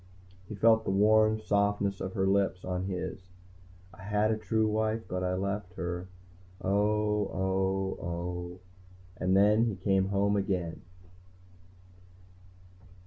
He felt the warm softness of her lips on his. I had a true wife but I left her ... oh, oh, oh. And then he came home again.